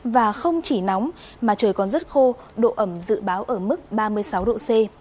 và không chỉ nóng mà trời còn rất khô độ ẩm dự báo ở mức ba mươi sáu độ c